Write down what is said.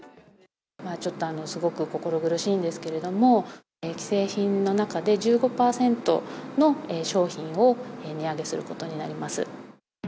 ちょっとすごく心苦しいんですけれども、既製品の中で１５％の商品を値上げすることになります。